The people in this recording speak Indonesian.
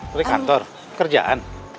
dari kantor kerjaan